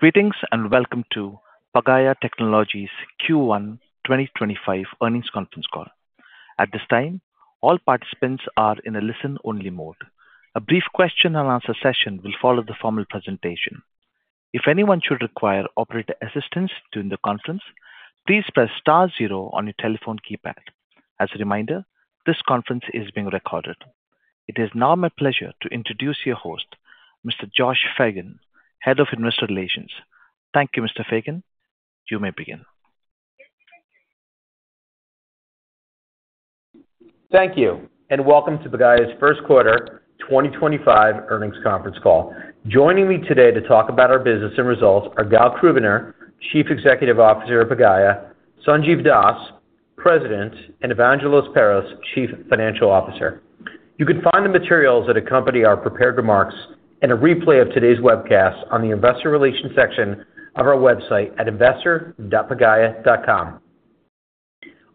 Greetings and welcome to Pagaya Technologies Q1 2025 earnings conference call. At this time, all participants are in a listen-only mode. A brief Q&A session will follow the formal presentation. If anyone should require operator assistance during the conference, please press star zero on your telephone keypad. As a reminder, this conference is being recorded. It is now my pleasure to introduce your host, Mr. Josh Fagen, Head of Investor Relations. Thank you, Mr. Fagen. You may begin. Thank you, and welcome to Pagaya's first quarter 2025 earnings conference call. Joining me today to talk about our business and results are Gal Krubiner, Chief Executive Officer at Pagaya; Sanjiv Das, President; and Evangelos Perros, Chief Financial Officer. You can find the materials that accompany our prepared remarks and a replay of today's webcast on the Investor Relations section of our website at investor.pagaya.com.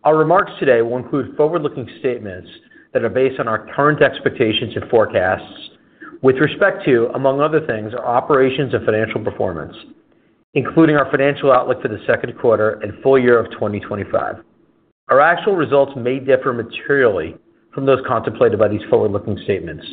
Our remarks today will include forward-looking statements that are based on our current expectations and forecasts with respect to, among other things, our operations and financial performance, including our financial outlook for the second quarter and full year of 2025. Our actual results may differ materially from those contemplated by these forward-looking statements.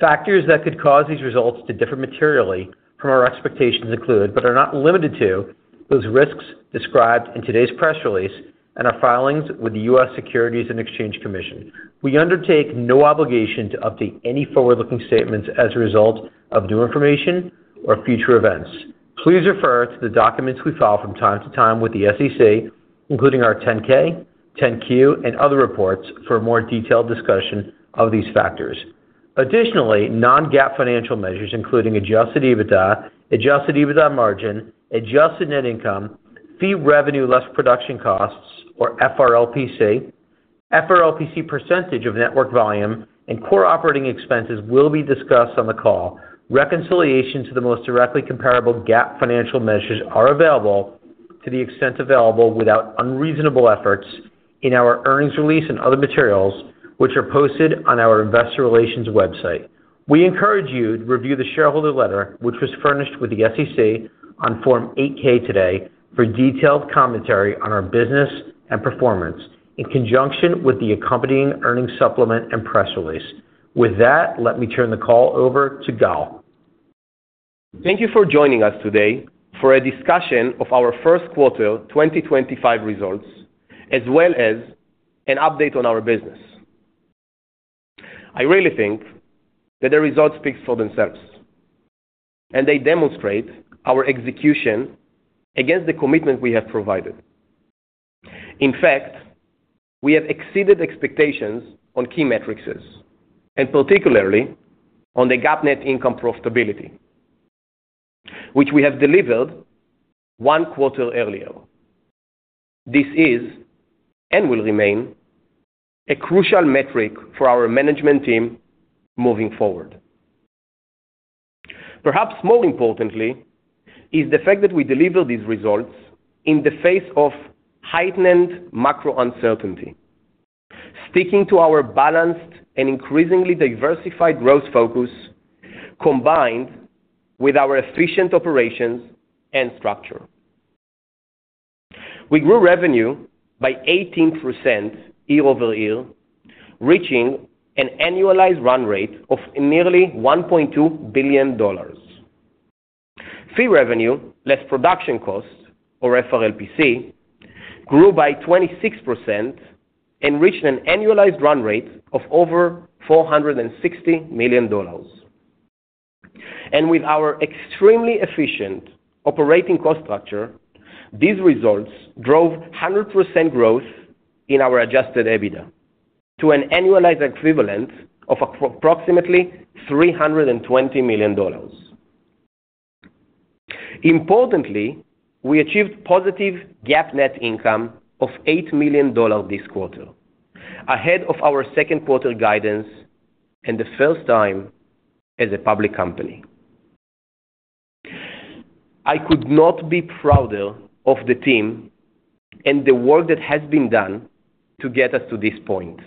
Factors that could cause these results to differ materially from our expectations include, but are not limited to, those risks described in today's press release and our filings with the U.S. Securities and Exchange Commission. We undertake no obligation to update any forward-looking statements as a result of new information or future events. Please refer to the documents we file from time to time with the SEC, including our 10-K, 10-Q, and other reports for a more detailed discussion of these factors. Additionally, non-GAAP financial measures including adjusted EBITDA, adjusted EBITDA margin, adjusted net income, fee revenue less production costs, or FRLPC, FRLPC % of network volume, and core operating expenses will be discussed on the call. Reconciliation to the most directly comparable GAAP financial measures are available to the extent available without unreasonable efforts in our earnings release and other materials, which are posted on our Investor Relations website. We encourage you to review the shareholder letter, which was furnished with the U.S. Securities and Exchange Commission on Form 8-K today, for detailed commentary on our business and performance in conjunction with the accompanying earnings supplement and press release. With that, let me turn the call over to Gal. Thank you for joining us today for a discussion of our first quarter 2025 results, as well as an update on our business. I really think that the results speak for themselves, and they demonstrate our execution against the commitment we have provided. In fact, we have exceeded expectations on key metrics, and particularly on the GAAP net income profitability, which we have delivered one quarter earlier. This is, and will remain, a crucial metric for our management team moving forward. Perhaps more importantly, is the fact that we deliver these results in the face of heightened macro uncertainty, sticking to our balanced and increasingly diversified growth focus combined with our efficient operations and structure. We grew revenue by 18% year-over-year, reaching an annualized run rate of nearly $1.2 billion. Fee revenue less production costs, or FRLPC, grew by 26% and reached an annualized run rate of over $460 million. With our extremely efficient operating cost structure, these results drove 100% growth in our adjusted EBITDA to an annualized equivalent of approximately $320 million. Importantly, we achieved positive GAAP net income of $8 million this quarter, ahead of our second quarter guidance and the first time as a public company. I could not be prouder of the team and the work that has been done to get us to this point.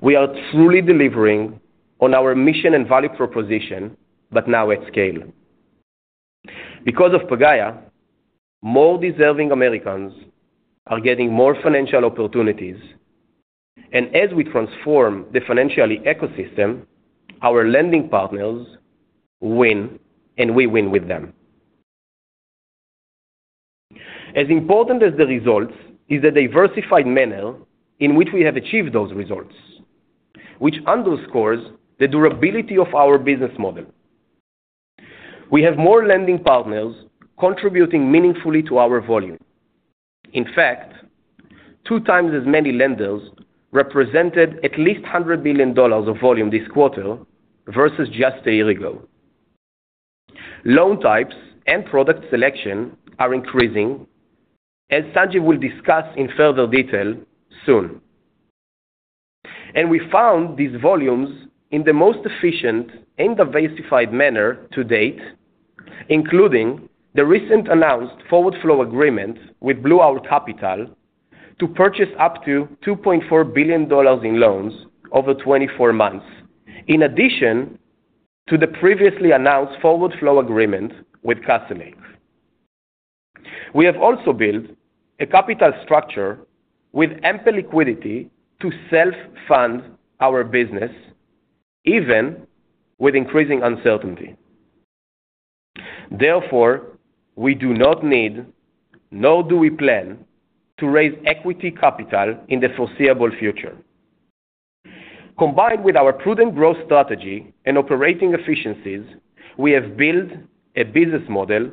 We are truly delivering on our mission and value proposition, now at scale. Because of Pagaya, more deserving Americans are getting more financial opportunities, and as we transform the financial ecosystem, our lending partners win, and we win with them. As important as the results is the diversified manner in which we have achieved those results, which underscores the durability of our business model. We have more lending partners contributing meaningfully to our volume. In fact, two times as many lenders represented at least $100 million of volume this quarter versus just a year ago. Loan types and product selection are increasing, as Sanjiv will discuss in further detail soon. We found these volumes in the most efficient and diversified manner to date, including the recent announced forward flow agreement with Blue Owl Capital to purchase up to $2.4 billion in loans over 24 months, in addition to the previously announced forward flow agreement with Castlelake. We have also built a capital structure with ample liquidity to self-fund our business, even with increasing uncertainty. Therefore, we do not need, nor do we plan, to raise equity capital in the foreseeable future. Combined with our prudent growth strategy and operating efficiencies, we have built a business model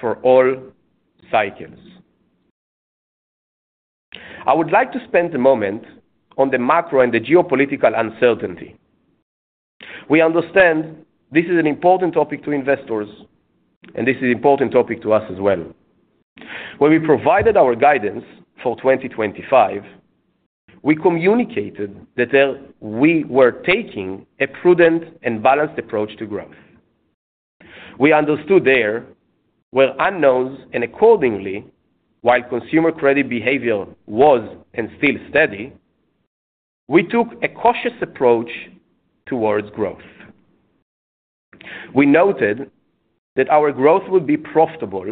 for all cycles. I would like to spend a moment on the macro and the geopolitical uncertainty. We understand this is an important topic to investors, and this is an important topic to us as well. When we provided our guidance for 2025, we communicated that we were taking a prudent and balanced approach to growth. We understood there were unknowns, and accordingly, while consumer credit behavior was and still is steady, we took a cautious approach towards growth. We noted that our growth would be profitable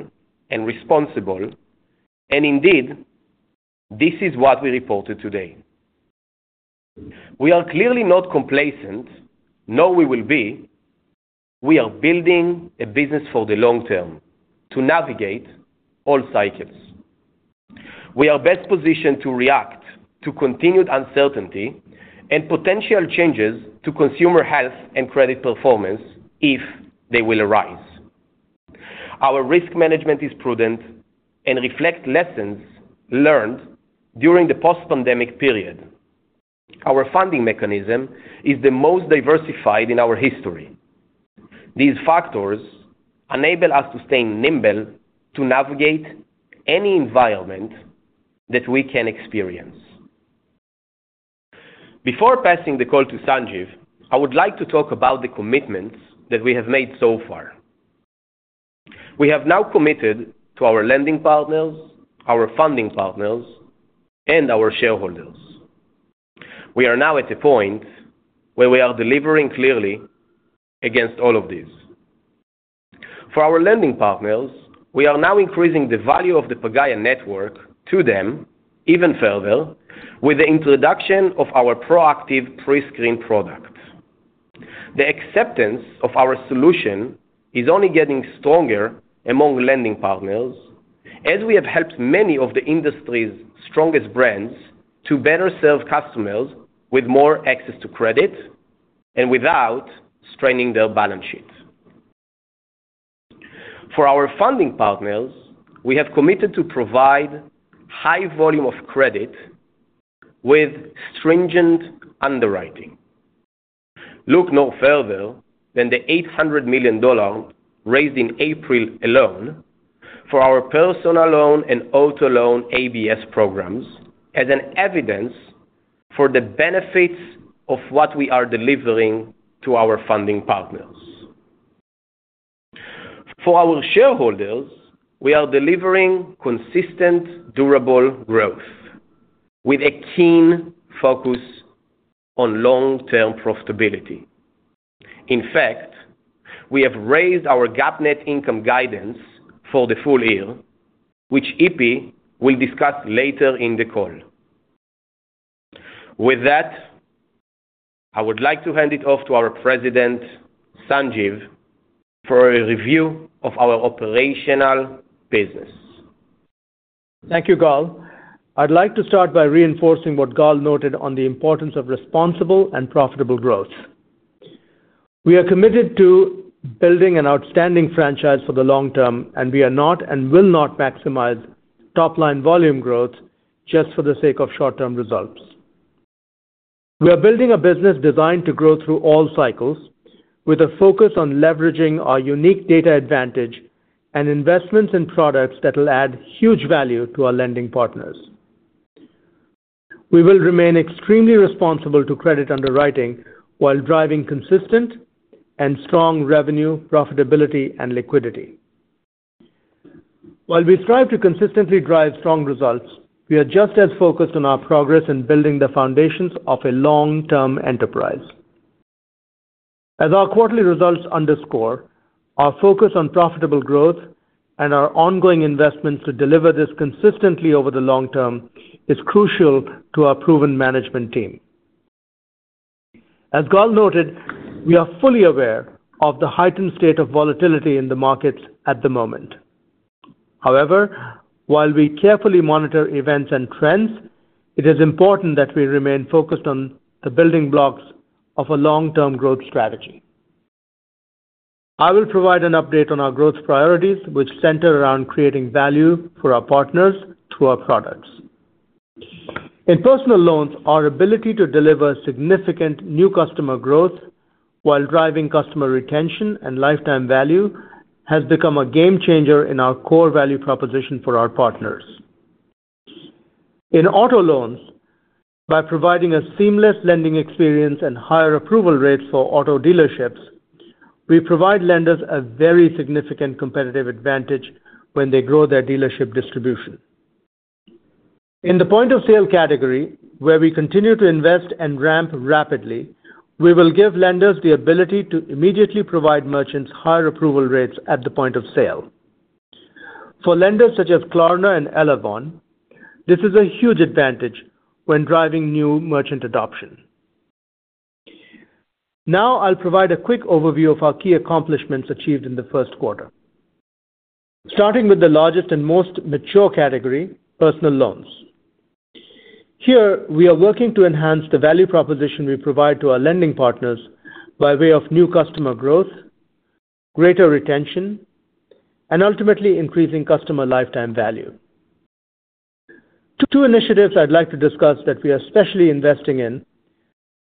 and responsible, and indeed, this is what we reported today. We are clearly not complacent, nor will we be. We are building a business for the long term to navigate all cycles. We are best positioned to react to continued uncertainty and potential changes to consumer health and credit performance if they will arise. Our risk management is prudent and reflects lessons learned during the post-pandemic period. Our funding mechanism is the most diversified in our history. These factors enable us to stay nimble to navigate any environment that we can experience. Before passing the call to Sanjiv, I would like to talk about the commitments that we have made so far. We have now committed to our lending partners, our funding partners, and our shareholders. We are now at a point where we are delivering clearly against all of these. For our lending partners, we are now increasing the value of the Pagaya network to them even further with the introduction of our proactive Prescreen product. The acceptance of our solution is only getting stronger among lending partners, as we have helped many of the industry's strongest brands to better serve customers with more access to credit and without straining their balance sheet. For our funding partners, we have committed to provide high volume of credit with stringent underwriting. Look no further than the $800 million raised in April alone for our personal loan and auto loan ABS programs as evidence for the benefits of what we are delivering to our funding partners. For our shareholders, we are delivering consistent, durable growth with a keen focus on long-term profitability. In fact, we have raised our GAAP net income guidance for the full year, which EP will discuss later in the call. With that, I would like to hand it off to our President, Sanjiv, for a review of our operational business. Thank you, Gal. I'd like to start by reinforcing what Gal noted on the importance of responsible and profitable growth. We are committed to building an outstanding franchise for the long term, and we are not and will not maximize top-line volume growth just for the sake of short-term results. We are building a business designed to grow through all cycles with a focus on leveraging our unique data advantage and investments in products that will add huge value to our lending partners. We will remain extremely responsible to credit underwriting while driving consistent and strong revenue, profitability, and liquidity. While we strive to consistently drive strong results, we are just as focused on our progress in building the foundations of a long-term enterprise. As our quarterly results underscore, our focus on profitable growth and our ongoing investments to deliver this consistently over the long term is crucial to our proven management team. As Gal noted, we are fully aware of the heightened state of volatility in the markets at the moment. However, while we carefully monitor events and trends, it is important that we remain focused on the building blocks of a long-term growth strategy. I will provide an update on our growth priorities, which center around creating value for our partners through our products. In personal loans, our ability to deliver significant new customer growth while driving customer retention and lifetime value has become a game changer in our core value proposition for our partners. In auto loans, by providing a seamless lending experience and higher approval rates for auto dealerships, we provide lenders a very significant competitive advantage when they grow their dealership distribution. In the point-of-sale category, where we continue to invest and ramp rapidly, we will give lenders the ability to immediately provide merchants higher approval rates at the point of sale. For lenders such as Klarna and Elavon, this is a huge advantage when driving new merchant adoption. Now, I'll provide a quick overview of our key accomplishments achieved in the first quarter, starting with the largest and most mature category, personal loans. Here, we are working to enhance the value proposition we provide to our lending partners by way of new customer growth, greater retention, and ultimately increasing customer lifetime value. Two initiatives I'd like to discuss that we are especially investing in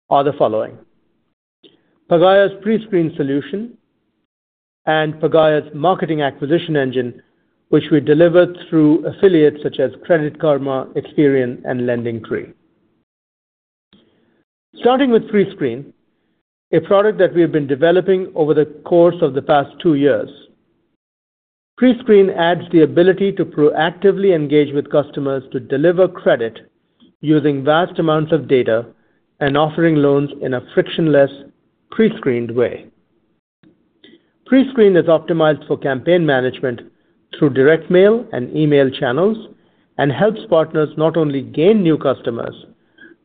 are the following: Pagaya's Prescreen solution and Pagaya's marketing acquisition engine, which we deliver through affiliates such as Credit Karma, Experian, and LendingTree. Starting with pre-screen, a product that we have been developing over the course of the past two years. Prescreen adds the ability to proactively engage with customers to deliver credit using vast amounts of data and offering loans in a frictionless, pre-screened way. Prescreen is optimized for campaign management through direct mail and email channels and helps partners not only gain new customers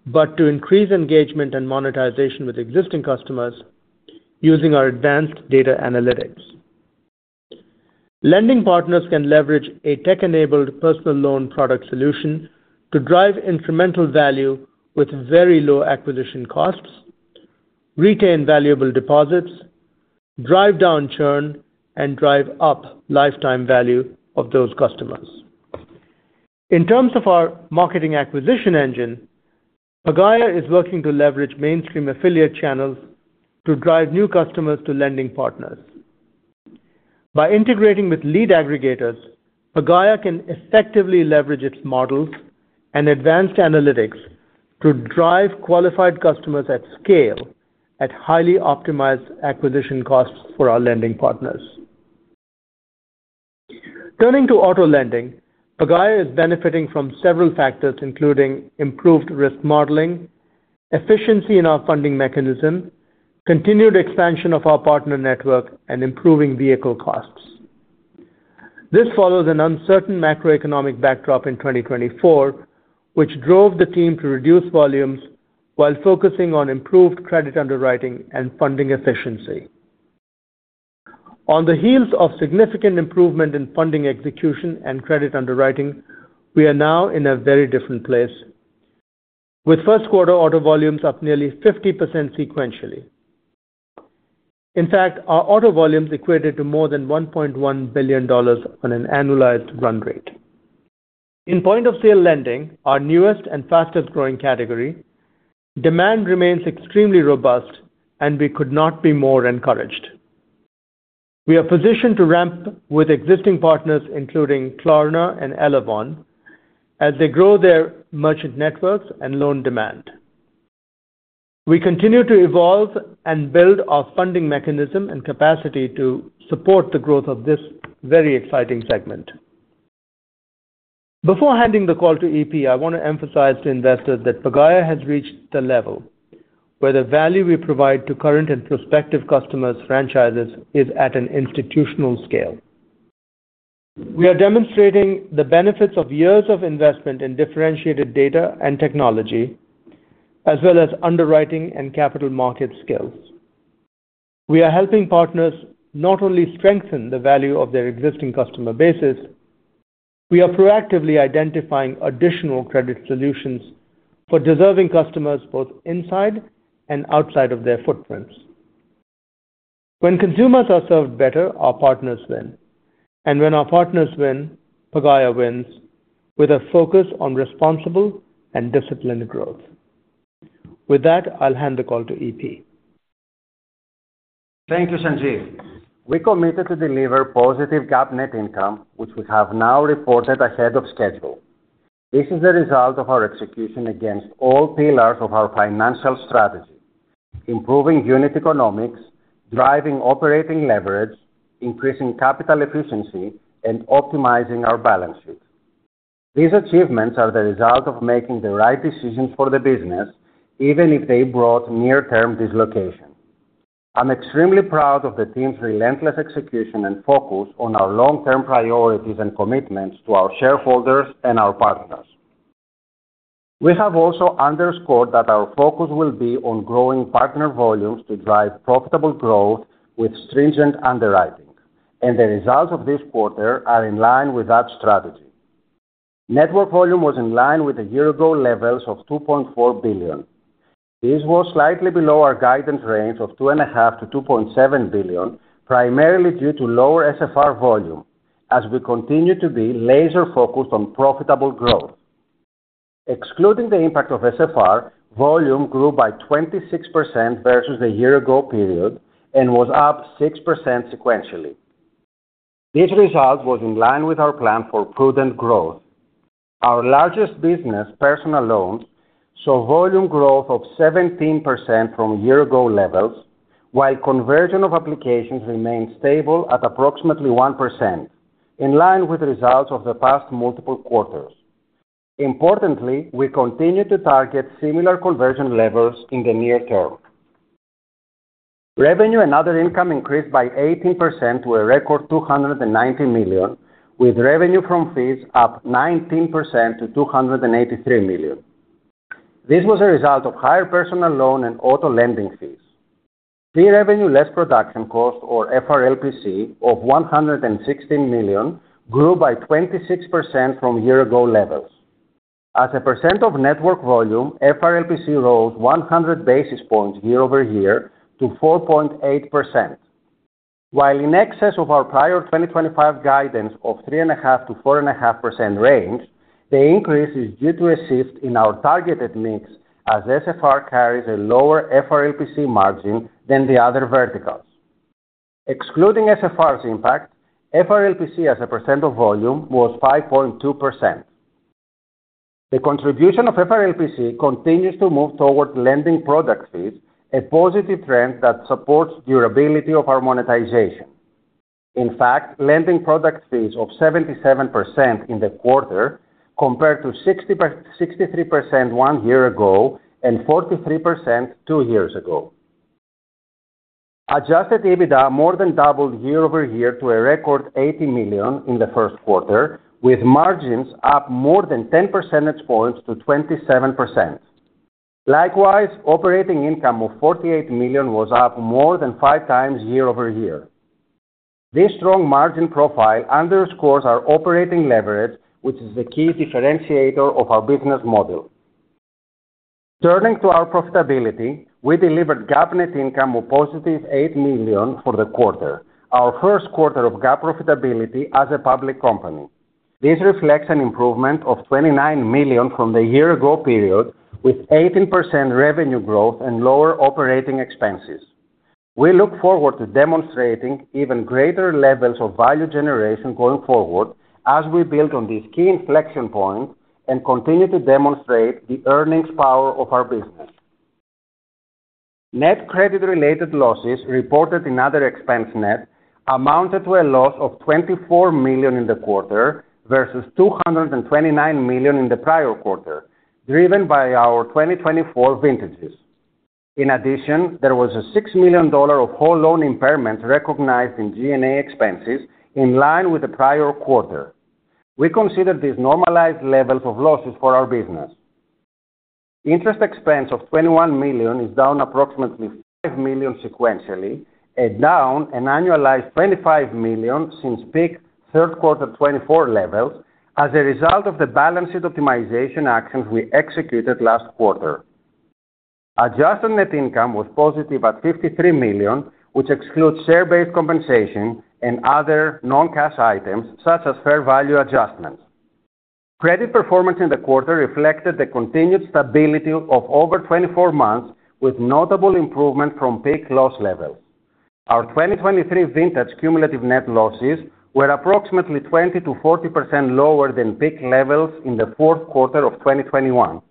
but to increase engagement and monetization with existing customers using our advanced data analytics. Lending partners can leverage a tech-enabled personal loan product solution to drive incremental value with very low acquisition costs, retain valuable deposits, drive down churn, and drive up lifetime value of those customers. In terms of our marketing acquisition engine, Pagaya is working to leverage mainstream affiliate channels to drive new customers to lending partners. By integrating with lead aggregators, Pagaya can effectively leverage its models and advanced analytics to drive qualified customers at scale at highly optimized acquisition costs for our lending partners. Turning to auto lending, Pagaya is benefiting from several factors, including improved risk modeling, efficiency in our funding mechanism, continued expansion of our partner network, and improving vehicle costs. This follows an uncertain macroeconomic backdrop in 2024, which drove the team to reduce volumes while focusing on improved credit underwriting and funding efficiency. On the heels of significant improvement in funding execution and credit underwriting, we are now in a very different place, with first-quarter auto volumes up nearly 50% sequentially. In fact, our auto volumes equated to more than $1.1 billion on an annualized run rate. In point-of-sale lending, our newest and fastest-growing category, demand remains extremely robust, and we could not be more encouraged. We are positioned to ramp with existing partners, including Klarna and Elavon, as they grow their merchant networks and loan demand. We continue to evolve and build our funding mechanism and capacity to support the growth of this very exciting segment. Before handing the call to EP, I want to emphasize to investors that Pagaya has reached the level where the value we provide to current and prospective customers' franchises is at an institutional scale. We are demonstrating the benefits of years of investment in differentiated data and technology, as well as underwriting and capital market skills. We are helping partners not only strengthen the value of their existing customer bases, we are proactively identifying additional credit solutions for deserving customers both inside and outside of their footprints. When consumers are served better, our partners win. When our partners win, Pagaya wins, with a focus on responsible and disciplined growth. With that, I'll hand the call to EP. Thank you, Sanjiv. We committed to deliver positive GAAP net income, which we have now reported ahead of schedule. This is the result of our execution against all pillars of our financial strategy: improving unit economics, driving operating leverage, increasing capital efficiency, and optimizing our balance sheet. These achievements are the result of making the right decisions for the business, even if they brought near-term dislocation. I'm extremely proud of the team's relentless execution and focus on our long-term priorities and commitments to our shareholders and our partners. We have also underscored that our focus will be on growing partner volumes to drive profitable growth with stringent underwriting, and the results of this quarter are in line with that strategy. Network volume was in line with a year-ago levels of $2.4 billion. This was slightly below our guidance range of $2.5 billion-$2.7 billion, primarily due to lower SFR volume, as we continue to be laser-focused on profitable growth. Excluding the impact of SFR, volume grew by 26% versus the year-ago period and was up 6% sequentially. This result was in line with our plan for prudent growth. Our largest business, personal loans, saw volume growth of 17% from year-ago levels, while conversion of applications remained stable at approximately 1%, in line with results of the past multiple quarters. Importantly, we continue to target similar conversion levels in the near term. Revenue and other income increased by 18% to a record $290 million, with revenue from fees up 19% to $283 million. This was a result of higher personal loan and auto lending fees. Fee revenue less production cost, or FRLPC, of $116 million grew by 26% from year-ago levels. As a percent of network volume, FRLPC rose 100 basis points year-over-year to 4.8%. While in excess of our prior 2025 guidance of 3.5%-4.5% range, the increase is due to a shift in our targeted mix as SFR carries a lower FRLPC margin than the other verticals. Excluding SFR's impact, FRLPC as a percent of volume was 5.2%. The contribution of FRLPC continues to move toward lending product fees, a positive trend that supports durability of our monetization. In fact, lending product fees of 77% in the quarter compared to 63% one year ago and 43% two years ago. Adjusted EBITDA more than doubled year-over-year to a record $80 million in the first quarter, with margins up more than 10 percentage points to 27%. Likewise, operating income of $48 million was up more than five times year-over-year. This strong margin profile underscores our operating leverage, which is the key differentiator of our business model. Turning to our profitability, we delivered GAAP net income of positive $8 million for the quarter, our first quarter of GAAP profitability as a public company. This reflects an improvement of $29 million from the year-ago period, with 18% revenue growth and lower operating expenses. We look forward to demonstrating even greater levels of value generation going forward as we build on this key inflection point and continue to demonstrate the earnings power of our business. Net credit-related losses reported in other expense net amounted to a loss of $24 million in the quarter versus $229 million in the prior quarter, driven by our 2024 vintages. In addition, there was a $6 million of whole loan impairment recognized in G&A expenses in line with the prior quarter. We consider these normalized levels of losses for our business. Interest expense of $21 million is down approximately $5 million sequentially, down an annualized $25 million since peak third quarter 2024 levels as a result of the balance sheet optimization actions we executed last quarter. Adjusted net income was positive at $53 million, which excludes share-based compensation and other non-cash items such as fair value adjustments. Credit performance in the quarter reflected the continued stability of over 24 months, with notable improvement from peak loss levels. Our 2023 vintage cumulative net losses were approximately 20%-40% lower than peak levels in the fourth quarter of 2021.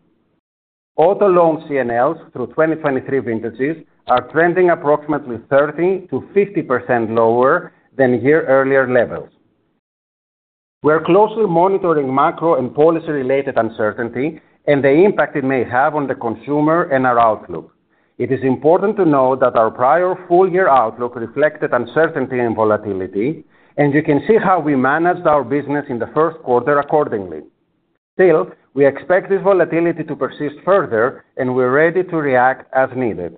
Auto loan C&Ls through 2023 vintages are trending approximately 30%-50% lower than year-earlier levels. We are closely monitoring macro and policy-related uncertainty and the impact it may have on the consumer and our outlook. It is important to note that our prior full-year outlook reflected uncertainty and volatility, and you can see how we managed our business in the first quarter accordingly. Still, we expect this volatility to persist further, and we're ready to react as needed.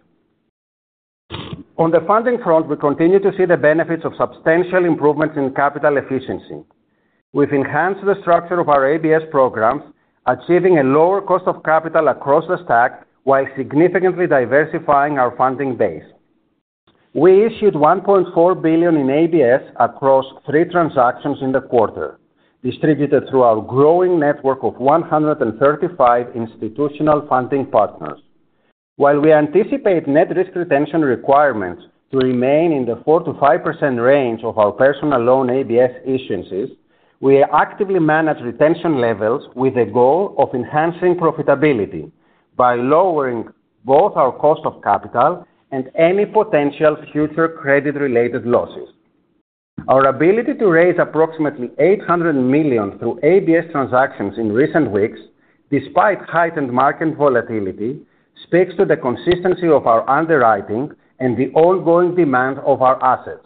On the funding front, we continue to see the benefits of substantial improvements in capital efficiency. We've enhanced the structure of our ABS programs, achieving a lower cost of capital across the stack while significantly diversifying our funding base. We issued $1.4 billion in ABS across three transactions in the quarter, distributed through our growing network of 135 institutional funding partners. While we anticipate net risk retention requirements to remain in the 4%-5% range of our personal loan ABS issuances, we actively manage retention levels with the goal of enhancing profitability by lowering both our cost of capital and any potential future credit-related losses. Our ability to raise approximately $800 million through ABS transactions in recent weeks, despite heightened market volatility, speaks to the consistency of our underwriting and the ongoing demand of our assets.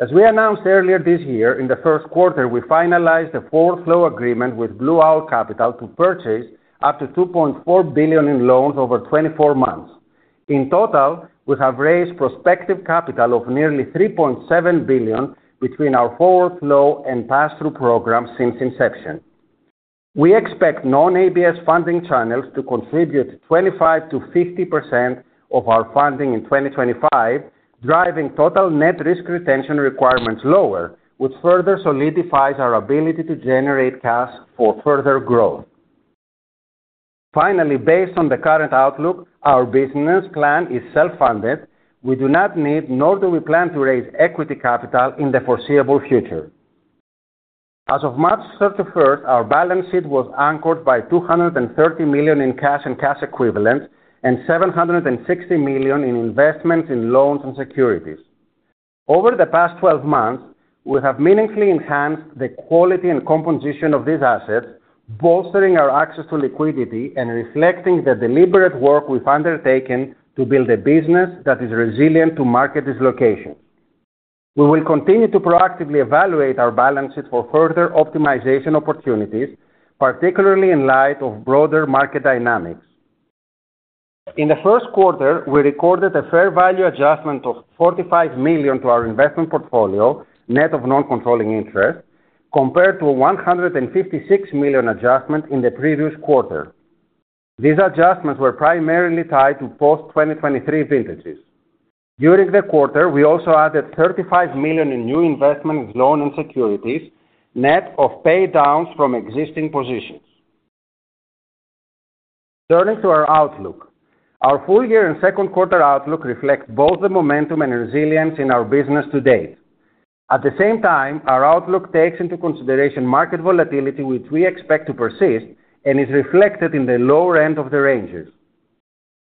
As we announced earlier this year, in the first quarter, we finalized the forward flow agreement with Blue Owl Capital to purchase up to $2.4 billion in loans over 24 months. In total, we have raised prospective capital of nearly $3.7 billion between our forward flow and pass-through programs since inception. We expect non-ABS funding channels to contribute 25%-50% of our funding in 2025, driving total net risk retention requirements lower, which further solidifies our ability to generate cash for further growth. Finally, based on the current outlook, our business plan is self-funded. We do not need, nor do we plan to raise equity capital in the foreseeable future. As of March 31, our balance sheet was anchored by $230 million in cash and cash equivalents and $760 million in investments in loans and securities. Over the past 12 months, we have meaningfully enhanced the quality and composition of these assets, bolstering our access to liquidity and reflecting the deliberate work we've undertaken to build a business that is resilient to market dislocation. We will continue to proactively evaluate our balance sheet for further optimization opportunities, particularly in light of broader market dynamics. In the first quarter, we recorded a fair value adjustment of $45 million to our investment portfolio, net of non-controlling interest, compared to a $156 million adjustment in the previous quarter. These adjustments were primarily tied to post-2023 vintages. During the quarter, we also added $35 million in new investments, loans, and securities, net of paydowns from existing positions. Turning to our outlook, our full-year and second quarter outlook reflects both the momentum and resilience in our business to date. At the same time, our outlook takes into consideration market volatility, which we expect to persist and is reflected in the lower end of the ranges.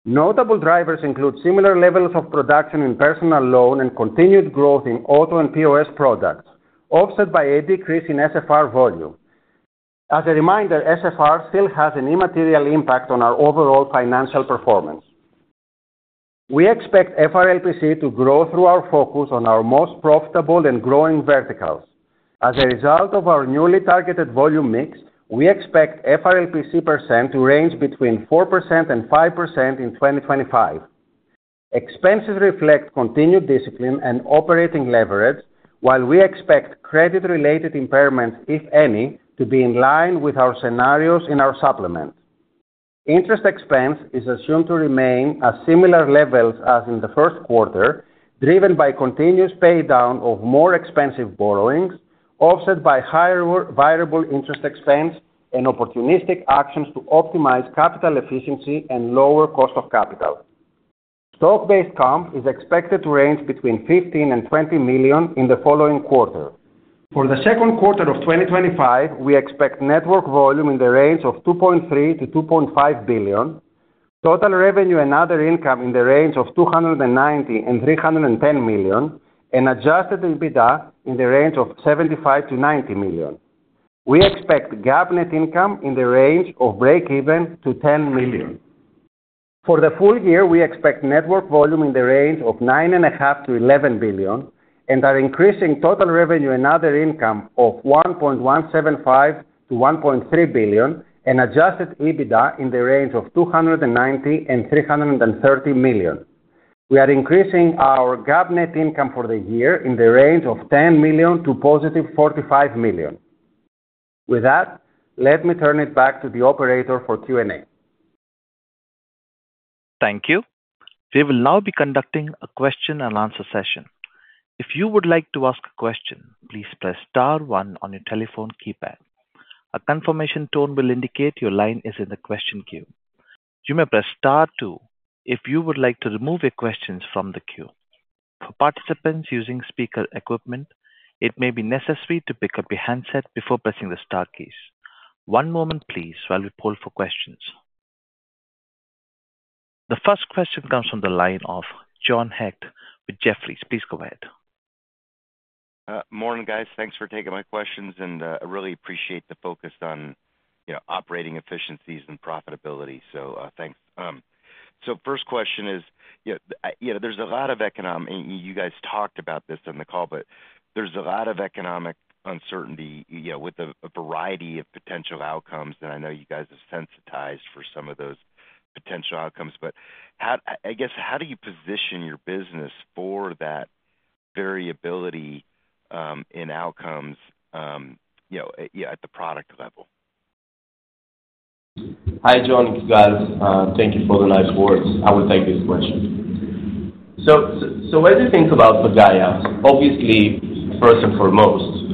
Notable drivers include similar levels of production in personal loan and continued growth in auto and POS products, offset by a decrease in SFR volume. As a reminder, SFR still has an immaterial impact on our overall financial performance. We expect FRLPC to grow through our focus on our most profitable and growing verticals. As a result of our newly targeted volume mix, we expect FRLPC% to range between 4% and 5% in 2025. Expenses reflect continued discipline and operating leverage, while we expect credit-related impairments, if any, to be in line with our scenarios in our supplement. Interest expense is assumed to remain at similar levels as in the first quarter, driven by continuous paydown of more expensive borrowings, offset by higher variable interest expense and opportunistic actions to optimize capital efficiency and lower cost of capital. Stock-based comp is expected to range between $15 million-$20 million in the following quarter. For the second quarter of 2025, we expect network volume in the range of $2.3 billion-$2.5 billion, total revenue and other income in the range of $290 million-$310 million, and adjusted EBITDA in the range of $75 million-$90 million. We expect GAAP net income in the range of break-even to $10 million. For the full year, we expect network volume in the range of $9.5 billion-$11 billion and our increasing total revenue and other income of $1.175 bilion-$1.3 billion and adjusted EBITDA in the range of $290 million-$330 million. We are increasing our GAAP net income for the year in the range of $10 million to $45 million. With that, let me turn it back to the operator for Q&A. Thank you. We will now be conducting a Q&A. If you would like to ask a question, please press *1 on your telephone keypad. A confirmation tone will indicate your line is in the question queue. You may press *2 if you would like to remove your questions from the queue. For participants using speaker equipment, it may be necessary to pick up your handset before pressing the star keys. One moment, please, while we poll for questions. The first question comes from the line of John Heck with Jefferies. Please go ahead. Morning, guys. Thanks for taking my questions, and I really appreciate the focus on, you know, operating efficiencies and profitability. So, thanks. So, first question is, you know, there's a lot of economic—you guys talked about this on the call—but there's a lot of economic uncertainty, you know, with a variety of potential outcomes that I know you guys have sensitized for some of those potential outcomes. But how—I guess, how do you position your business for that variability in outcomes, you know, at the product level? Hi, John, this is Gal. Thank you for the nice words. I will take this question. So, what do you think about Pagaya? Obviously, first and foremost,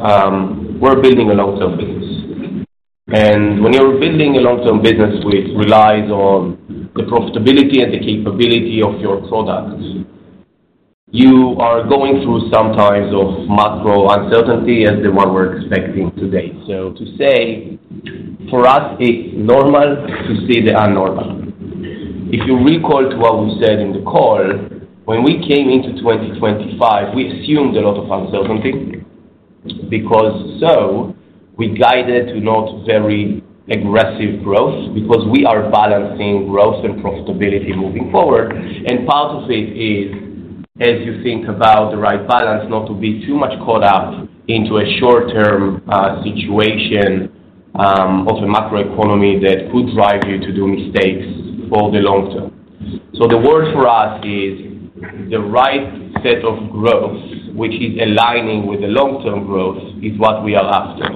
we're building a long-term business. And when you're building a long-term business, which relies on the profitability and the capability of your product, you are going through some times of macro uncertainty, as the one we're expecting today. So, to say, for us, it's normal to see the unnormal. If you recall to what we said in the call, when we came into 2025, we assumed a lot of uncertainty because we guided to not very aggressive growth because we are balancing growth and profitability moving forward. Part of it is, as you think about the right balance, not to be too much caught up into a short-term situation of a macroeconomy that could drive you to do mistakes for the long term. The word for us is the right set of growth, which is aligning with the long-term growth, is what we are after.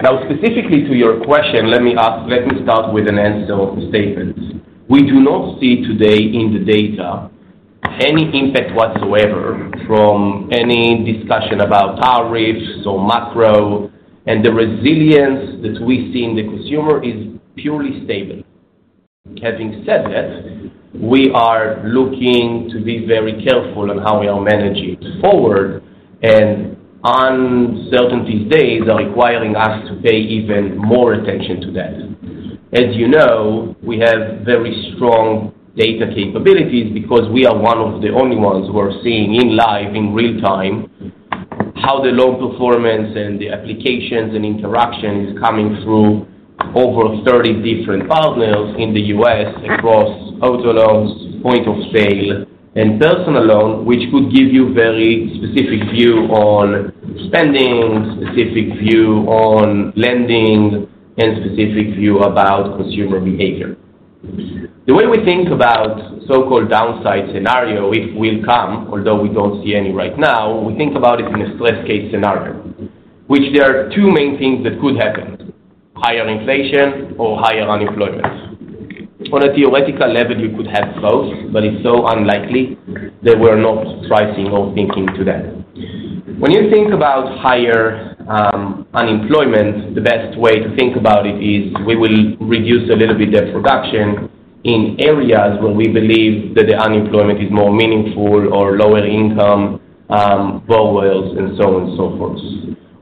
Now, specifically to your question, let me start with an end-of-statement. We do not see today in the data any impact whatsoever from any discussion about tariffs or macro, and the resilience that we see in the consumer is purely stable. Having said that, we are looking to be very careful on how we are managing forward, and uncertainties these days are requiring us to pay even more attention to that. As you know, we have very strong data capabilities because we are one of the only ones who are seeing in live, in real time, how the loan performance and the applications and interaction is coming through over 30 different partners in the U.S., across auto loans, point-of-sale, and personal loans, which could give you a very specific view on spending, a specific view on lending, and a specific view about consumer behavior. The way we think about so-called downside scenario, if it will come, although we do not see any right now, we think about it in a stress case scenario, which there are two main things that could happen: higher inflation or higher unemployment. On a theoretical level, you could have both, but it's so unlikely that we are not pricing or thinking to that. When you think about higher unemployment, the best way to think about it is we will reduce a little bit the production in areas where we believe that the unemployment is more meaningful or lower income borrowers, and so on and so forth.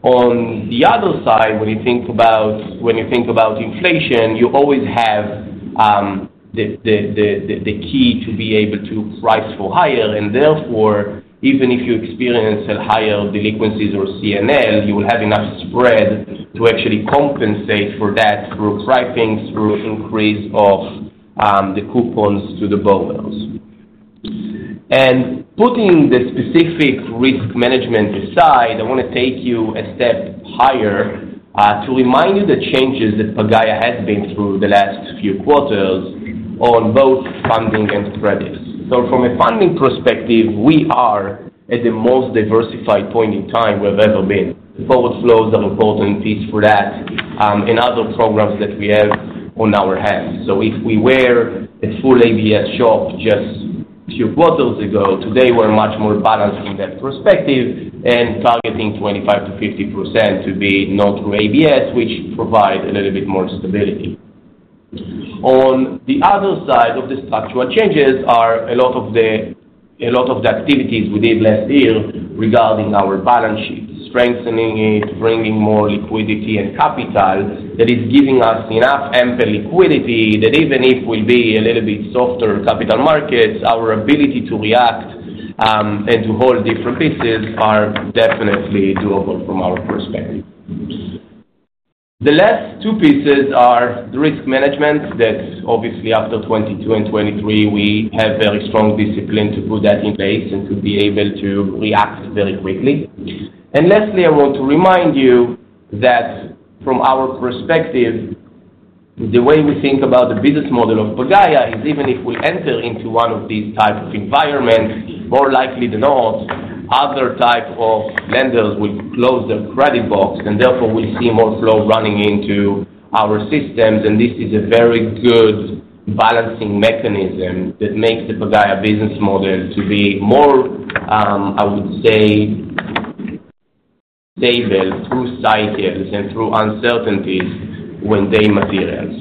On the other side, when you think about inflation, you always have the key to be able to price for higher, and therefore, even if you experience higher delinquencies or C&L, you will have enough spread to actually compensate for that through pricing, through increase of the coupons to the borrowers. Putting the specific risk management aside, I want to take you a step higher to remind you the changes that Pagaya has been through the last few quarters on both funding and credits. From a funding perspective, we are at the most diversified point in time we've ever been. Forward flows are an important piece for that and other programs that we have on our hands. If we were a full ABS shop just a few quarters ago, today we're much more balanced in that perspective and targeting 25%-50% to be not through ABS, which provides a little bit more stability. On the other side of the structural changes are a lot of the activities we did last year regarding our balance sheet, strengthening it, bringing more liquidity and capital that is giving us enough ample liquidity that even if we'll be a little bit softer capital markets, our ability to react and to hold different pieces are definitely doable from our perspective. The last two pieces are the risk management that, obviously, after 2022 and 2023, we have very strong discipline to put that in place and to be able to react very quickly. Lastly, I want to remind you that from our perspective, the way we think about the business model of Pagaya is even if we enter into one of these types of environments, more likely than not, other types of lenders will close their credit box and therefore we'll see more flow running into our systems, and this is a very good balancing mechanism that makes the Pagaya business model to be more, I would say, stable through cycles and through uncertainties when they materialize.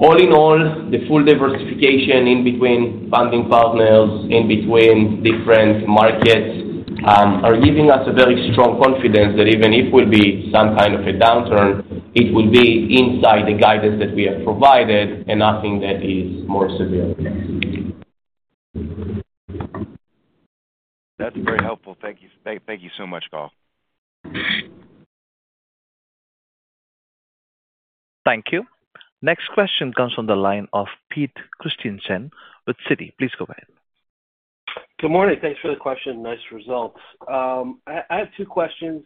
All in all, the full diversification in between funding partners, in between different markets, are giving us a very strong confidence that even if we'll be some kind of a downturn, it will be inside the guidance that we have provided and nothing that is more severe. That's very helpful. Thank you. Thank you so much, Gal. Thank you. Next question comes on the line of Pete Christiansen with Citi. Please go ahead. Good morning. Thanks for the question. Nice results. I have two questions.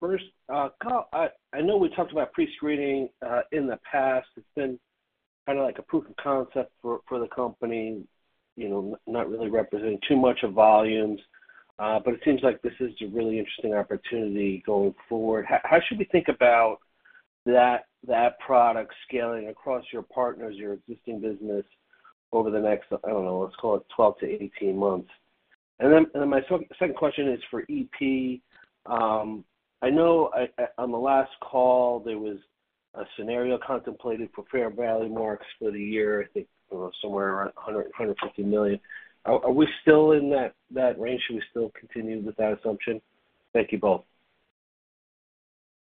First, Gal, I know we talked about pre-screening in the past. It's been kind of like a proof of concept for the company, you know, not really representing too much of volumes, but it seems like this is a really interesting opportunity going forward. How should we think about that product scaling across your partners, your existing business over the next, I don't know, let's call it 12-18 months? And then my second question is for EP. I know on the last call, there was a scenario contemplated for Fair Value Marks for the year, I think somewhere around $150 million. Are we still in that range? Should we still continue with that assumption? Thank you both.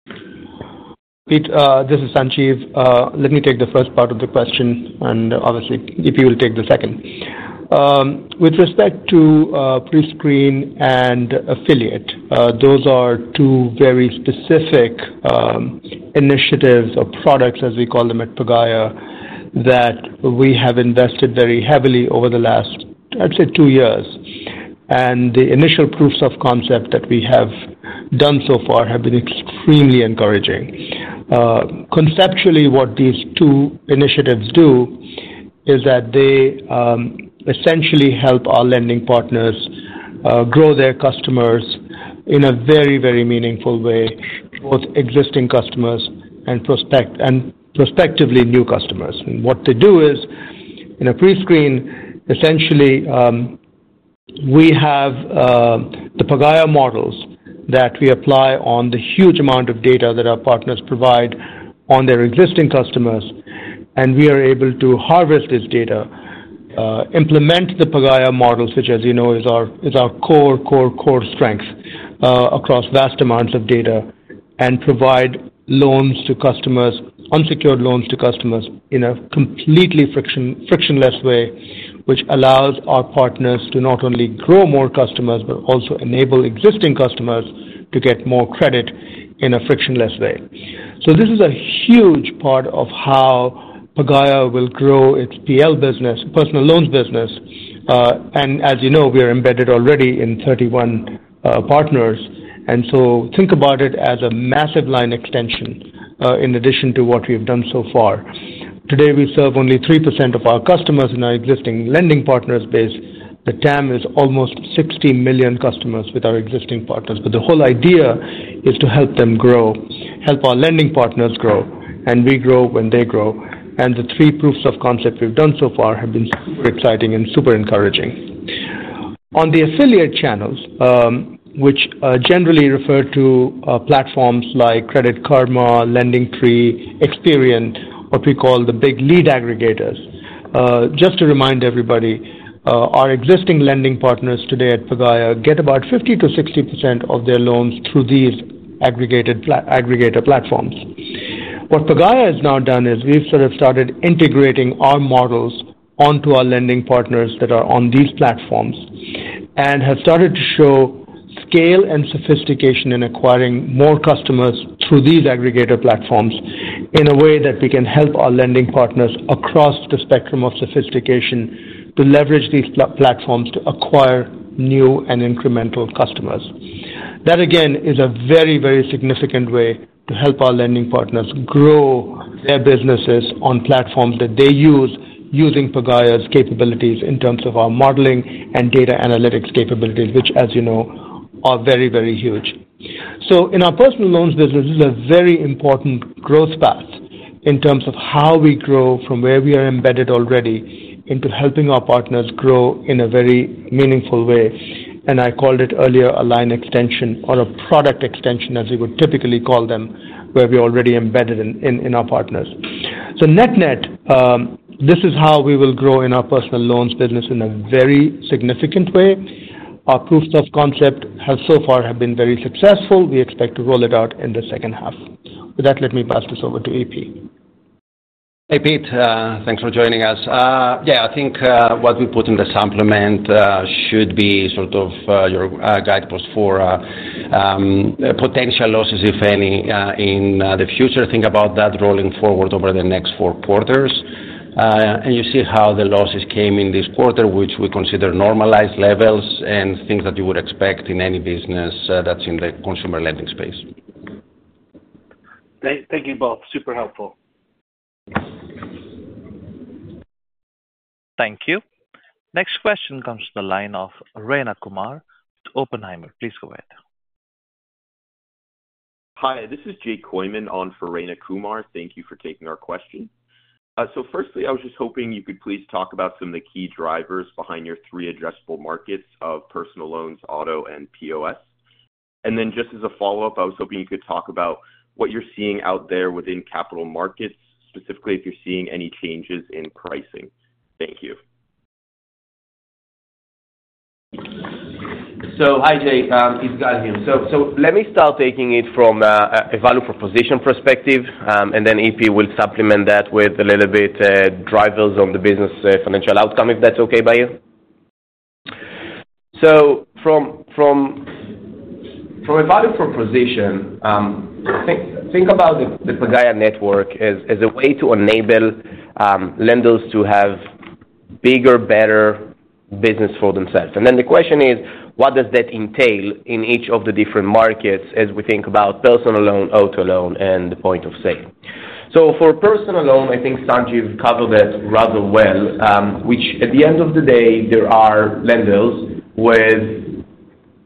Pete, this is Sanjiv. Let me take the first part of the question, and obviously, if you will take the second. With respect to Prescreen and Affiliate, those are two very specific initiatives or products, as we call them at Pagaya, that we have invested very heavily over the last, I'd say, two years. The initial proofs of concept that we have done so far have been extremely encouraging. Conceptually, what these two initiatives do is that they essentially help our lending partners grow their customers in a very, very meaningful way, both existing customers and prospectively new customers. What they do is, in a Prescreen, essentially, we have the Pagaya models that we apply on the huge amount of data that our partners provide on their existing customers, and we are able to harvest this data, implement the Pagaya models, which, as you know, is our core, core, core strength across vast amounts of data, and provide loans to customers, unsecured loans to customers in a completely frictionless way, which allows our partners to not only grow more customers but also enable existing customers to get more credit in a frictionless way. This is a huge part of how Pagaya will grow its PL business, personal loans business. As you know, we are embedded already in 31 partners. Think about it as a massive line extension in addition to what we have done so far. Today, we serve only 3% of our customers in our existing lending partners base. The TAM is almost 60 million customers with our existing partners. The whole idea is to help them grow, help our lending partners grow, and we grow when they grow. The three proofs of concept we've done so far have been super exciting and super encouraging. On the affiliate channels, which generally refer to platforms like Credit Karma, LendingTree, Experian, what we call the big lead aggregators, just to remind everybody, our existing lending partners today at Pagaya get about 50%-60% of their loans through these aggregator platforms. What Pagaya has now done is we've sort of started integrating our models onto our lending partners that are on these platforms and have started to show scale and sophistication in acquiring more customers through these aggregator platforms in a way that we can help our lending partners across the spectrum of sophistication to leverage these platforms to acquire new and incremental customers. That, again, is a very, very significant way to help our lending partners grow their businesses on platforms that they use, using Pagaya's capabilities in terms of our modeling and data analytics capabilities, which, as you know, are very, very huge. In our personal loans business, this is a very important growth path in terms of how we grow from where we are embedded already into helping our partners grow in a very meaningful way. I called it earlier a line extension or a product extension, as we would typically call them, where we're already embedded in our partners. Net-net, this is how we will grow in our personal loans business in a very significant way. Our proofs of concept have so far been very successful. We expect to roll it out in the second half. With that, let me pass this over to EP. Hey, Pete. Thanks for joining us. Yeah, I think what we put in the supplement should be sort of your guidepost for potential losses, if any, in the future. Think about that rolling forward over the next four quarters. You see how the losses came in this quarter, which we consider normalized levels and things that you would expect in any business that's in the consumer lending space. Thank you both. Super helpful. Thank you. Next question comes to the line of Rayna Kumar with Oppenheimer. Please go ahead. Hi, this is Jake Kooyman on for Rayna Kumar. Thank you for taking our question. Firstly, I was just hoping you could please talk about some of the key drivers behind your three addressable markets of personal loans, auto, and POS. Just as a follow-up, I was hoping you could talk about what you're seeing out there within capital markets, specifically if you're seeing any changes in pricing. Thank you. Hi, Jake. It's Gal here. Let me start taking it from a value proposition perspective, and then EP will supplement that with a little bit of drivers on the business financial outcome, if that's okay by you. From a value proposition, think about the Pagaya network as a way to enable lenders to have bigger, better business for themselves. The question is, what does that entail in each of the different markets as we think about personal loans, auto loans, and point-of-sale lending? For personal loans, I think Sanjiv covered that rather well, which at the end of the day, there are lenders with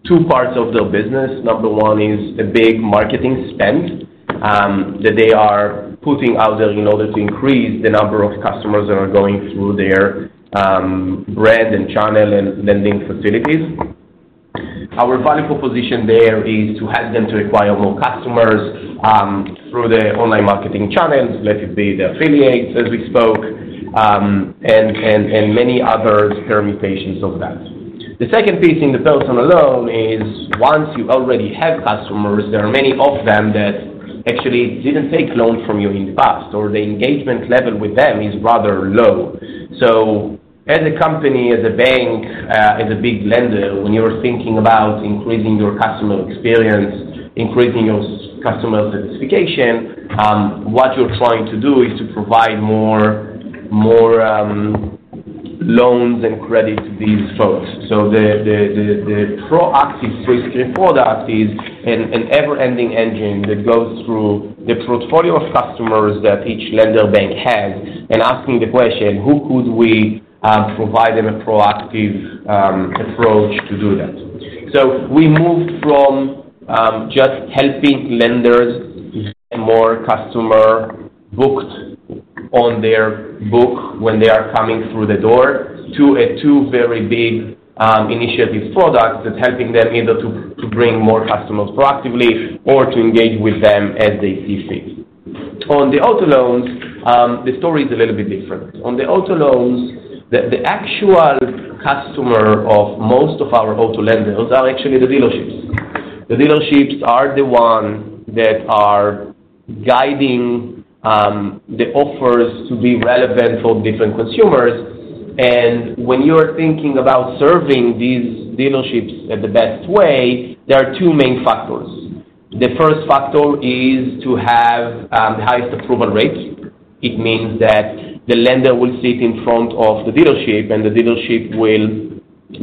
two parts of their business. Number one is a big marketing spend that they are putting out there in order to increase the number of customers that are going through their brand and channel and lending facilities. Our value proposition there is to help them to acquire more customers through the online marketing channels, let it be the affiliates, as we spoke, and many other permutations of that. The second piece in the personal loan is, once you already have customers, there are many of them that actually didn't take loans from you in the past, or the engagement level with them is rather low. As a company, as a bank, as a big lender, when you're thinking about increasing your customer experience, increasing your customer certification, what you're trying to do is to provide more loans and credit to these folks. The proactive Prescreen product is an ever-ending engine that goes through the portfolio of customers that each lender bank has and asks the question, "Who could we provide them a proactive approach to do that?" We moved from just helping lenders get more customers booked on their book when they are coming through the door to two very big initiative products that help them either to bring more customers proactively or to engage with them as they see fit. On the auto loans, the story is a little bit different. On the auto loans, the actual customer of most of our auto lenders are actually the dealerships. The dealerships are the ones that are guiding the offers to be relevant for different consumers. When you're thinking about serving these dealerships in the best way, there are two main factors. The first factor is to have the highest approval rate. It means that the lender will sit in front of the dealership, and the dealership will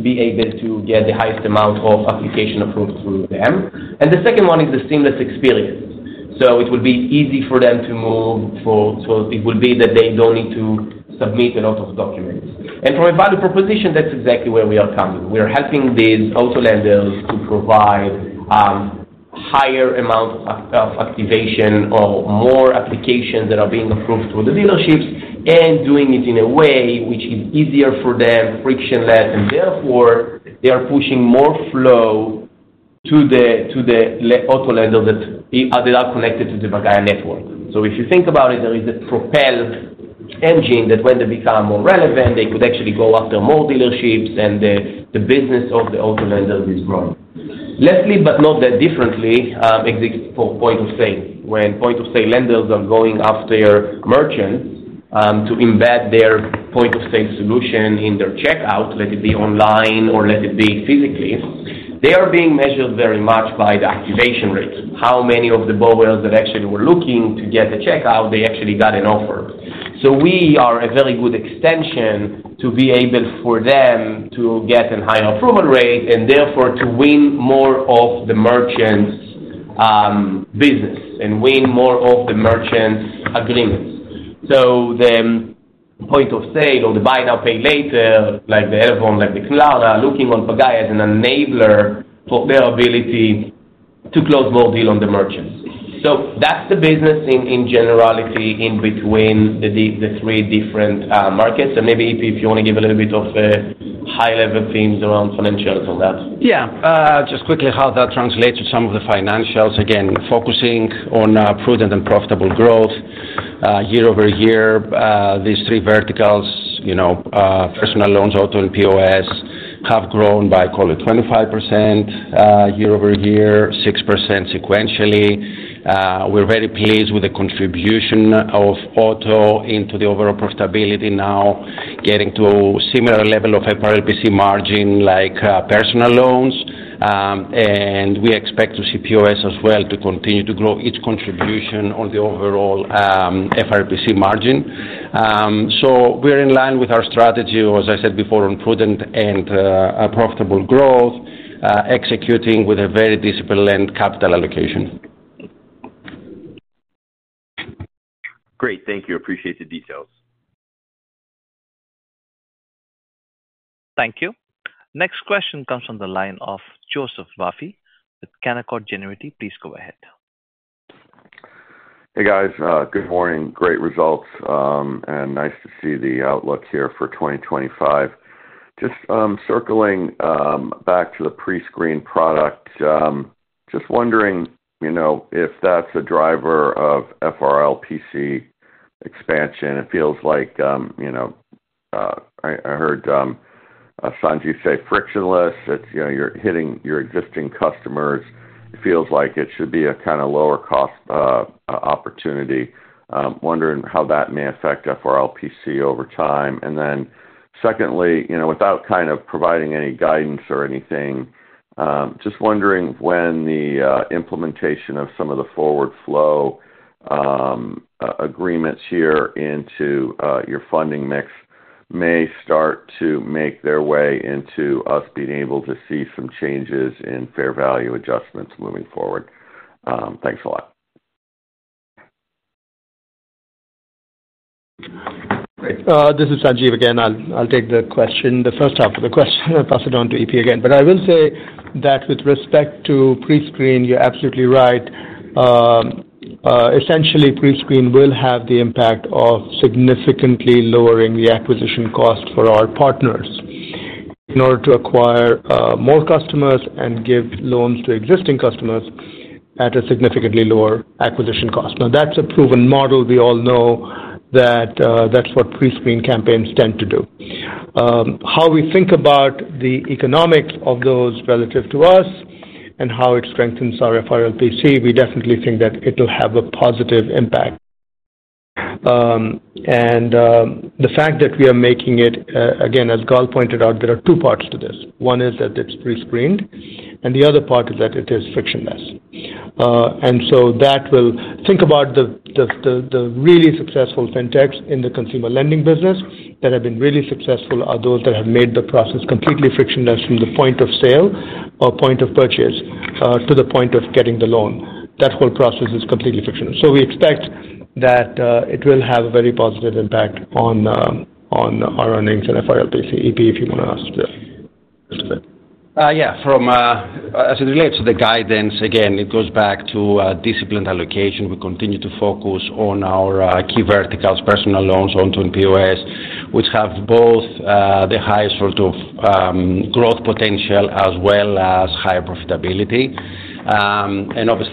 be able to get the highest amount of application approval through them. The second one is the seamless experience. It will be easy for them to move. It will be that they do not need to submit a lot of documents. From a value proposition, that is exactly where we are coming. We are helping these auto lenders to provide a higher amount of activation or more applications that are being approved through the dealerships and doing it in a way which is easier for them, frictionless, and therefore, they are pushing more flow to the auto lenders that are connected to the Pagaya network. If you think about it, there is a propel engine that when they become more relevant, they could actually go after more dealerships, and the business of the auto lenders is growing. Lastly, but not that differently, except for point-of-sale. When point-of-sale lenders are going after merchants to embed their point-of-sale solution in their checkout, let it be online or let it be physically, they are being measured very much by the activation rate. How many of the buyers that actually were looking to get a checkout, they actually got an offer. We are a very good extension to be able for them to get a higher approval rate and therefore to win more of the merchants' business and win more of the merchants' agreements. The point of sale or the buy now, pay later, like the Elavon, like the Klarna, looking on Pagaya as an enabler for their ability to close more deals on the merchants. That is the business in generality in between the three different markets. Maybe, EP, if you want to give a little bit of high-level themes around financials on that. Yeah. Just quickly, how that translates to some of the financials. Again, focusing on prudent and profitable growth year-over-year, these three verticals, personal loans, auto, and POS, have grown by, call it, 25% year-over-year, 6% sequentially. We are very pleased with the contribution of auto into the overall profitability now, getting to a similar level of FRLPC margin like personal loans. We expect to see POS as well to continue to grow its contribution on the overall FRLPC margin. We're in line with our strategy, as I said before, on prudent and profitable growth, executing with a very disciplined capital allocation. Great. Thank you. Appreciate the details. Thank you. Next question comes from the line of Joseph Vafi with Canaccord Genuity. Please go ahead. Hey, guys. Good morning. Great results and nice to see the outlook here for 2025. Just circling back to the Prescreen product, just wondering if that's a driver of FRLPC expansion. It feels like I heard Sanjiv say frictionless, that you're hitting your existing customers. It feels like it should be a kind of lower-cost opportunity. Wondering how that may affect FRLPC over time. Secondly, without kind of providing any guidance or anything, just wondering when the implementation of some of the forward flow agreements here into your funding mix may start to make their way into us being able to see some changes in fair value adjustments moving forward. Thanks a lot. This is Sanjiv again. I'll take the question. The first half of the question, I'll pass it on to EP again. I will say that with respect to pre-screen, you're absolutely right. Essentially, pre-screen will have the impact of significantly lowering the acquisition cost for our partners in order to acquire more customers and give loans to existing customers at a significantly lower acquisition cost. Now, that's a proven model. We all know that that's what Prescreen campaigns tend to do. How we think about the economics of those relative to us and how it strengthens our FRLPC, we definitely think that it'll have a positive impact. The fact that we are making it, again, as Gal pointed out, there are two parts to this. One is that it's pre-screened, and the other part is that it is frictionless. When you think about the really successful fintechs in the consumer lending business that have been really successful, they are those that have made the process completely frictionless from the point of sale or point of purchase to the point of getting the loan. That whole process is completely frictionless. We expect that it will have a very positive impact on our earnings and FRLPC. EP, if you want to ask this. Yeah. As it relates to the guidance, again, it goes back to discipline allocation. We continue to focus on our key verticals, personal loans, auto, and POS, which have both the highest sort of growth potential as well as higher profitability.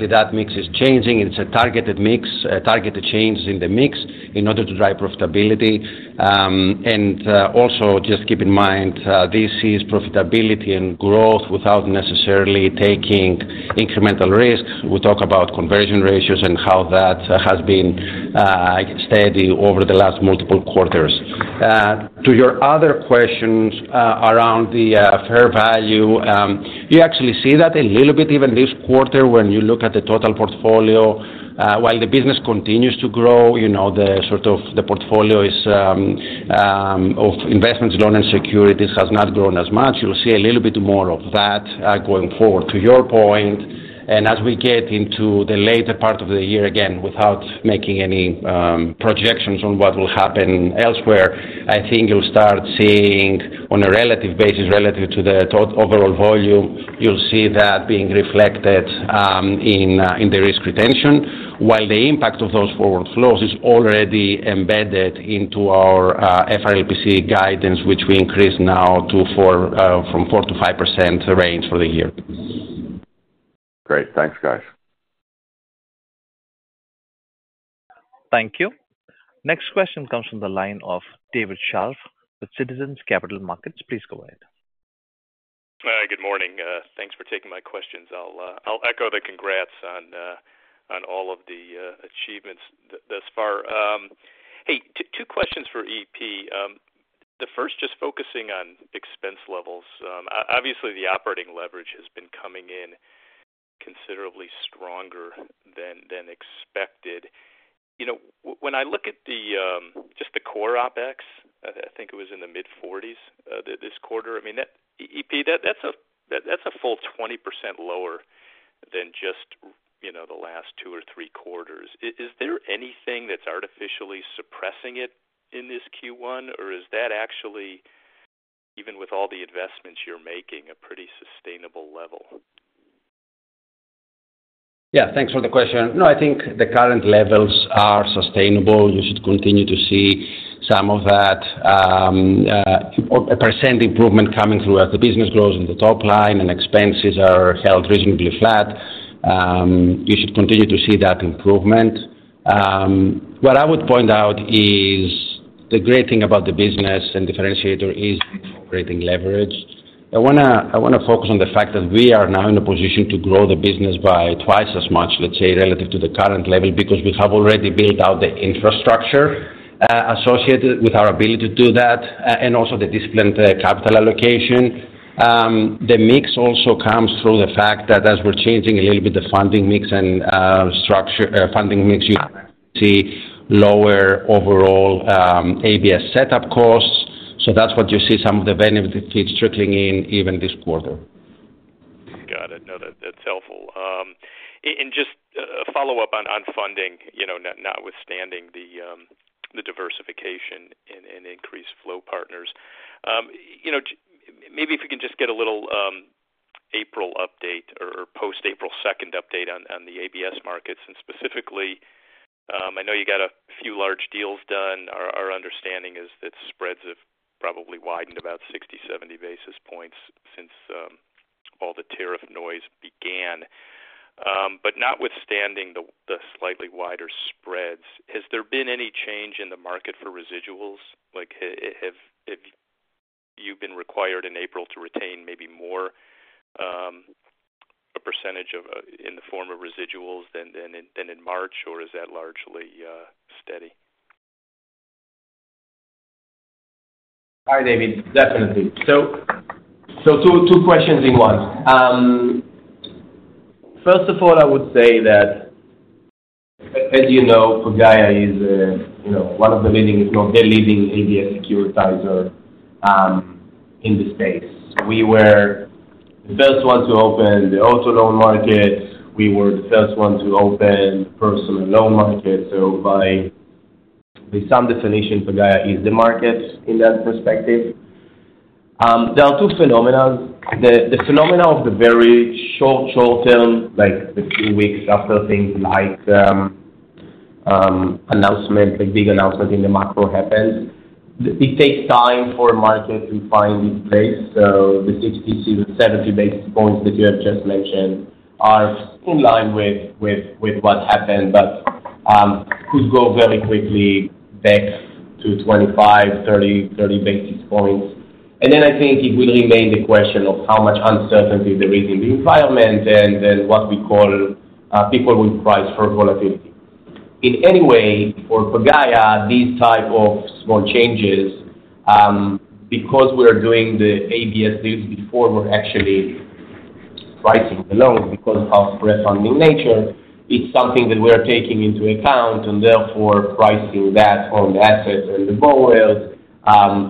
That mix is changing. It is a targeted mix, targeted changes in the mix in order to drive profitability. Also, just keep in mind, this is profitability and growth without necessarily taking incremental risks. We talk about conversion ratios and how that has been steady over the last multiple quarters. To your other questions around the fair value, you actually see that a little bit even this quarter when you look at the total portfolio. While the business continues to grow, the sort of the portfolio of investments, loans, and securities has not grown as much. You will see a little bit more of that going forward. To your point, and as we get into the later part of the year, again, without making any projections on what will happen elsewhere, I think you'll start seeing on a relative basis relative to the overall volume, you'll see that being reflected in the risk retention. While the impact of those forward flows is already embedded into our FRLPC guidance, which we increased now from 4%-5% range for the year. Great. Thanks, guys. Thank you. Next question comes from the line of David Scharf with Citizens Capital Markets. Please go ahead. Hi, good morning. Thanks for taking my questions. I'll echo the congrats on all of the achievements thus far. Hey, two questions for EP. The first, just focusing on expense levels. Obviously, the operating leverage has been coming in considerably stronger than expected. When I look at just the core OpEx, I think it was in the mid-40s this quarter. I mean, EP, that's a full 20% lower than just the last two or three quarters. Is there anything that's artificially suppressing it in this Q1, or is that actually, even with all the investments you're making, a pretty sustainable level? Yeah. Thanks for the question. No, I think the current levels are sustainable. You should continue to see some of that % improvement coming through as the business grows in the top line and expenses are held reasonably flat. You should continue to see that improvement. What I would point out is the great thing about the business and differentiator is operating leverage. I want to focus on the fact that we are now in a position to grow the business by twice as much, let's say, relative to the current level because we have already built out the infrastructure associated with our ability to do that and also the discipline capital allocation. The mix also comes through the fact that as we're changing a little bit the funding mix, you see lower overall ABS setup costs. That's what you see, some of the benefits trickling in even this quarter. Got it. No, that's helpful. Just a follow-up on funding, notwithstanding the diversification and increased flow partners. Maybe if we can just get a little April update or post-April 2nd update on the ABS markets. Specifically, I know you got a few large deals done. Our understanding is that spreads have probably widened about 60-70 basis points since all the tariff noise began. Notwithstanding the slightly wider spreads, has there been any change in the market for residuals? Have you been required in April to retain maybe more of a percentage in the form of residuals than in March, or is that largely steady? Hi, David. Definitely. Two questions in one. First of all, I would say that, as you know, Pagaya is one of the leading, if not the leading ABS securitizer in the space. We were the first ones to open the auto loan market. We were the first ones to open the personal loan market. By some definition, Pagaya is the market in that perspective. There are two phenomena. The phenomena of the very short, short term, like the few weeks after things like big announcement in the macro happens, it takes time for a market to find its place. The 60-70 basis points that you have just mentioned are in line with what happened, but could go very quickly back to 25-30 basis points. I think it will remain the question of how much uncertainty there is in the environment and then what we call people with price for volatility. In any way, for Pagaya, these type of small changes, because we are doing the ABS deals before we're actually pricing the loans because of our pre-funding nature, it's something that we are taking into account and therefore pricing that on the assets and the buyers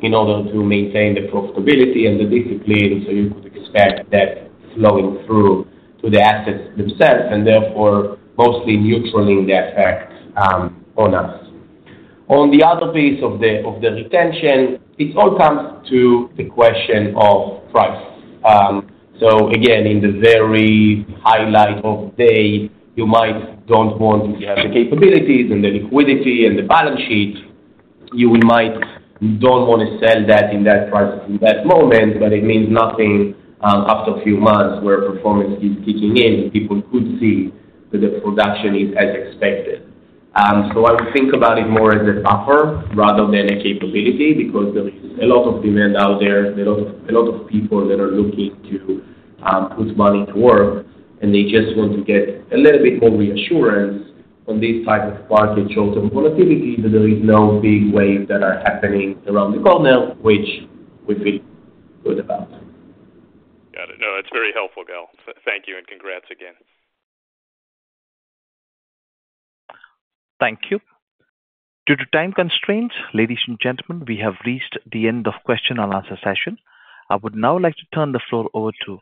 in order to maintain the profitability and the discipline. You could expect that flowing through to the assets themselves and therefore mostly neutral in the effect on us. On the other piece of the retention, it all comes to the question of price. Again, in the very highlight of the day, you might not want to have the capabilities and the liquidity and the balance sheet. You might not want to sell that in that price at that moment, but it means nothing after a few months where performance is kicking in. People could see that the production is as expected. I would think about it more as a buffer rather than a capability because there is a lot of demand out there. There are a lot of people that are looking to put money to work, and they just want to get a little bit more reassurance on this type of market, short-term volatility, that there is no big wave that is happening around the corner, which we feel good about. Got it. No, that's very helpful, Gal. Thank you and congrats again. Thank you. Due to time constraints, ladies and gentlemen, we have reached the end of the question and answer session. I would now like to turn the floor over to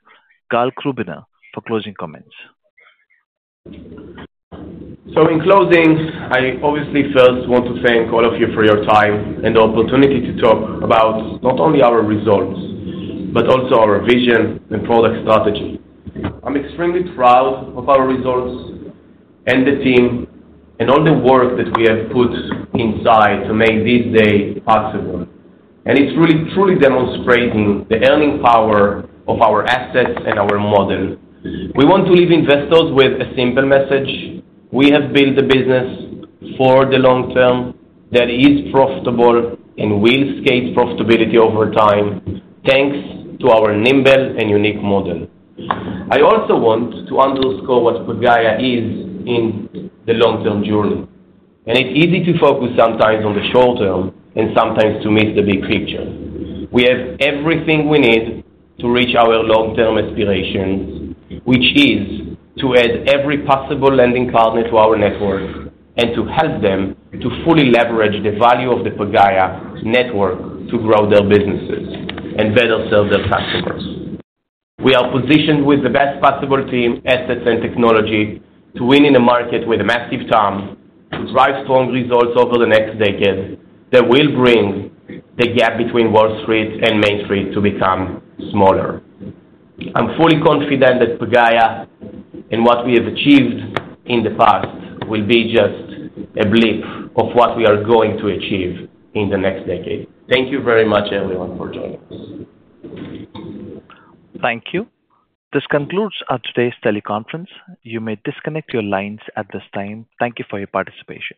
Gal Krubiner for closing comments. In closing, I obviously first want to thank all of you for your time and the opportunity to talk about not only our results, but also our vision and product strategy. I'm extremely proud of our results and the team and all the work that we have put inside to make this day possible. It's really, truly demonstrating the earning power of our assets and our model. We want to leave investors with a simple message. We have built a business for the long term that is profitable and will scale profitability over time thanks to our nimble and unique model. I also want to underscore what Pagaya is in the long-term journey. It's easy to focus sometimes on the short term and sometimes to miss the big picture. We have everything we need to reach our long-term aspirations, which is to add every possible lending partner to our network and to help them to fully leverage the value of the Pagaya network to grow their businesses and better serve their customers. We are positioned with the best possible team, assets, and technology to win in a market with a massive time to drive strong results over the next decade that will bring the gap between Wall Street and Main Street to become smaller. I'm fully confident that Pagaya and what we have achieved in the past will be just a blip of what we are going to achieve in the next decade. Thank you very much, everyone, for joining us. Thank you. This concludes our today's teleconference. You may disconnect your lines at this time. Thank you for your participation.